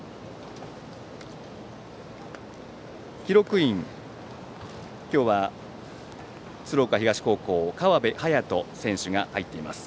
記録員、今日は鶴岡東高校川辺颯人選手が入っています。